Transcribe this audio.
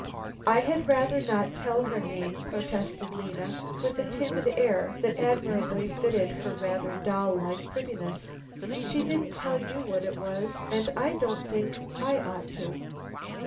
"I had rather not tell her name," protested Lena, with a timid air that admirably fitted her rather doll like prettiness. "She didn't tell you what it was, and I don't think I ought to."